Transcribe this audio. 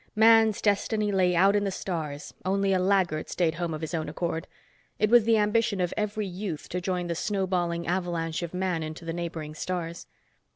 Man's destiny lay out in the stars, only a laggard stayed home of his own accord. It was the ambition of every youth to join the snowballing avalanche of man into the neighboring stars.